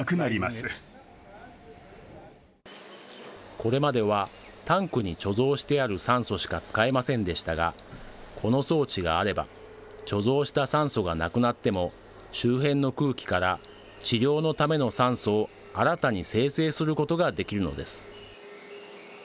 これまではタンクに貯蔵してある酸素しか使えませんでしたが、この装置があれば、貯蔵した酸素がなくなっても、周辺の空気から治療のための酸素を、新たに生成することができるのです。